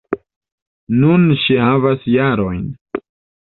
Nun ŝi havas jarojn.